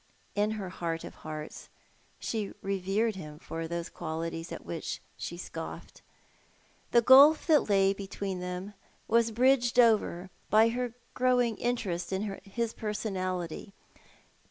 In her heart of hearts she revered him for those qualities at which she scoffed. The gulf tlaat lay between them was bridged over by her grow ing interest in his personality.